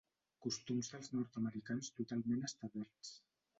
Costums dels nord-americans totalment establerts.